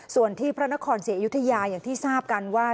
ส่วนที่พระนครศรีอยุธยาอย่างที่ทราบกันว่า